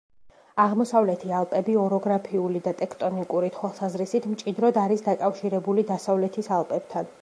აღმოსავლეთი ალპები, ოროგრაფიული და ტექტონიკური თვალსაზრისით მჭიდროდ არის დაკავშირებული დასავლეთის ალპებთან.